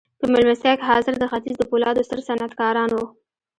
په مېلمستیا کې حاضر د ختیځ د پولادو ستر صنعتکاران وو